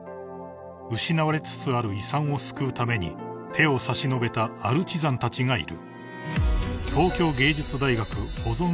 ［失われつつある遺産を救うために手を差し伸べたアルチザンたちがいる］